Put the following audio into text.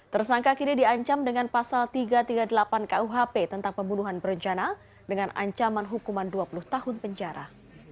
tersangka kini diancam dengan pasal tiga ratus tiga puluh delapan kuhp tentang pembunuhan berencana dengan ancaman hukuman dua puluh tahun penjara